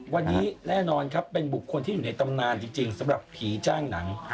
วันนี้แน่นอนครับเป็นบุคคลที่อยู่ในตำนานจริงสำหรับผีจ้างหนัง